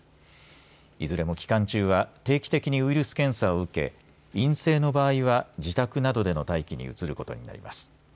いずれも期間中は定期的にウイルス検査を受け陰性の場合は自宅などでの待機に移ることになります。